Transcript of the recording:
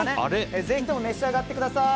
ぜひとも召し上がってください。